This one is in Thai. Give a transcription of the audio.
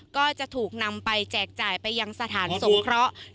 ก็จะถูกนำไปแจกจ่ายไปยังสถานสงเคราะห์